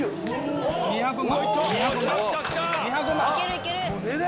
２００万。